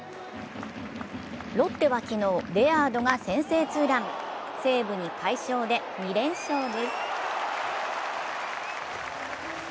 ロッテは昨日、レアードが先制墜落西武に快勝で２連勝です。